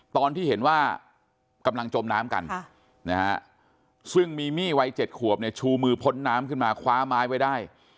ตอนที่เห็นว่ากำลังจมน้ำกันซึ่งมีมี่วัย๗ขวบเนี่ยชูมือพ้นน้ำขึ้นมาคว้าไม้ไว้ได้